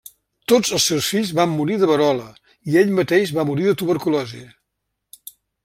Tots els seus fills van morir de verola, i ell mateix va morir de tuberculosi.